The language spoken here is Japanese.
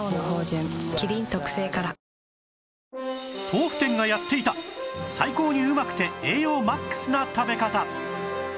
豆腐店がやっていた最高にうまくて栄養 ＭＡＸ な食べ方